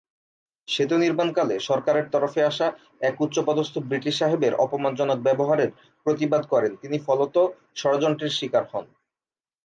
সেতু নির্মাণকালে সরকারের তরফে আসা এক উচ্চপদস্থ ব্রিটিশ সাহেবের অপমানজনক ব্যবহারের প্রতিবাদ করেন তিনি ফলত ষড়যন্ত্রের শিকার হন।